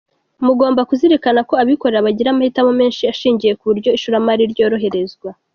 Mugomba kuzirikana ko abikorera bagira amahitamo menshi ashingiye ku buryo ishoramari ryoroherezwa.